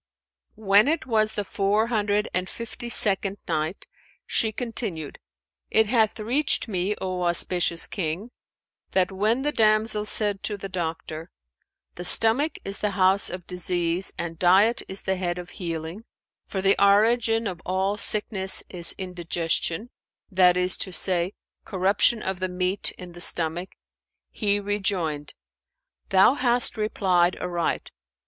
When it was the Four Hundred and Fifty second Night, She continued, It hath reached me, O auspicious King, that when the damsel said to the doctor, "'The stomach is the house of disease and diet is the head of healing; for the origin of all sickness is indigestion, that is to say, corruption of the meat in the stomach;'" he rejoined, "Thou hast replied aright!